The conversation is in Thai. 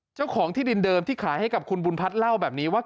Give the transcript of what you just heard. เจ้าของที่ดินเดิมที่ขายให้กับคุณบุญพัฒน์เล่าแบบนี้ว่า